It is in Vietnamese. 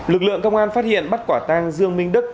lực lượng công an phát hiện bắt quả tang dương minh đức